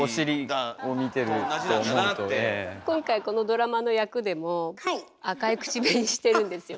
なんか今回このドラマの役でも赤い口紅してるんですよ。